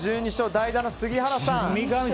代打の杉原さん。